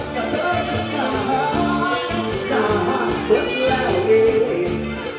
กับเธออยู่ต่างหาต่างหาฝุ่นแล้วอีก